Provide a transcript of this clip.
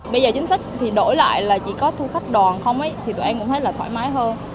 bây giờ chính sách thì đổi lại là chỉ có thu khách đòn không thì tụi em cũng thấy là thoải mái hơn